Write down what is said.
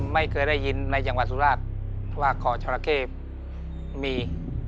ไม่เคยได้ยินในจังหวัดจุภราชว่าเกาะจอราเคมี